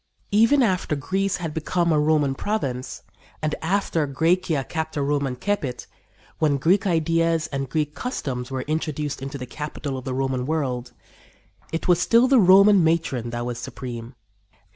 Even after Greece had become a Roman province, and after Græcia capta Romam cepit when Greek ideas and Greek customs were introduced into the capital of the Roman world it was still the Roman matron that was supreme.